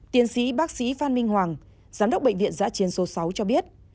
tiến sĩ bác sĩ phan minh hoàng giám đốc bệnh viện giã chiến số sáu cho biết